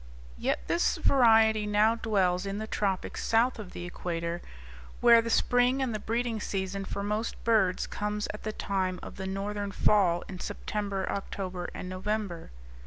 Yet this variety now dwells in the tropics south of the equator, where the spring, and the breeding season for most birds, comes at the time of the northern fall in September, October, and November.